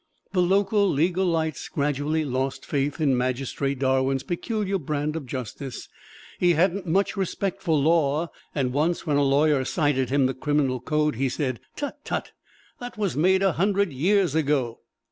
The local legal lights gradually lost faith in Magistrate Darwin's peculiar brand of justice; he hadn't much respect for law, and once when a lawyer cited him the criminal code he said, "Tut, tut, that was made a hundred years ago!"